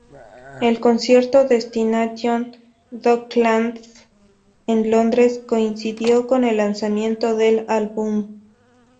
El concierto "Destination Docklands" en Londres coincidió con el lanzamiento del álbum.